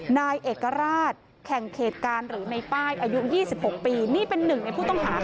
นายเอกราชแข่งเขตการหรือในป้ายอายุ๒๖ปีนี่เป็นหนึ่งในผู้ต้องหา